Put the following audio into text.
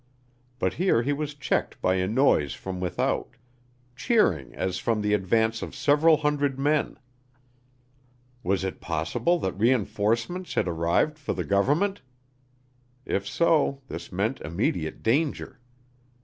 But here he was checked by a noise from without cheering as from the advance of several hundred men. Was it possible that reënforcements had arrived for the government? If so, this meant immediate danger.